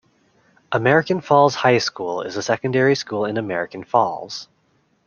American Falls High School is a secondary school in American Falls.